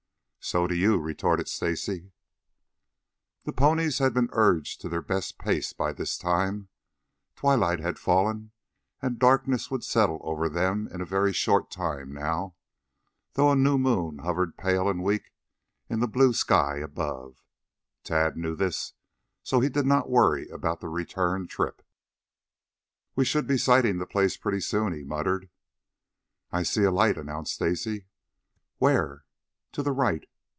"So do you," retorted Stacy. The ponies had been urged to their best pace by this time. Twilight had fallen and darkness would settle over them in a very short time now, though a new moon hovered pale and weak in the blue sky above. Tad knew this, so he did not worry about the return trip. "We should be sighting the place pretty soon," he muttered. "I see a light," announced Stacy. "Where?" "To the right.